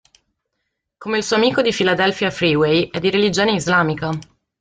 Come il suo amico di Filadelfia Freeway, è di religione islamica.